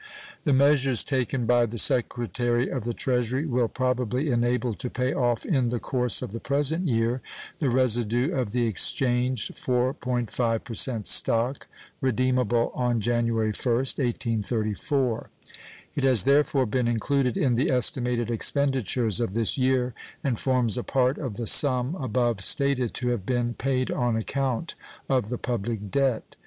The measures taken by the Secretary of the Treasury will probably enable to pay off in the course of the present year the residue of the exchanged 4.5% stock, redeemable on January 1st, 1834. It has therefore been included in the estimated expenditures of this year, and forms a part of the sum above stated to have been paid on account of the public debt.